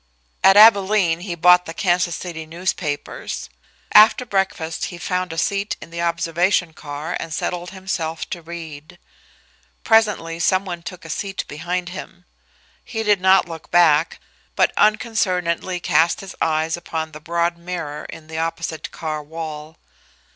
At Abilene he bought the Kansas City newspapers. After breakfast he found a seat in the observation car and settled himself to read. Presently some one took a seat behind him. He did not look back, but unconcernedly cast his eyes upon the broad mirror in the opposite car wall.